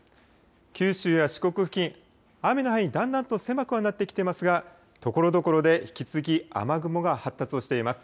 九州や四国付近、雨の範囲、だんだんと狭くなってはきていますが、ところどころで引き続き雨雲が発達をしています。